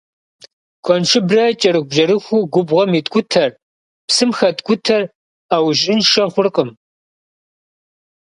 Куэншыбрэ кӏэрыхубжьэрыхуу губгъуэм иткӏутэр, псым хэткӏутэр ӏэужьыншэ хъуркъым.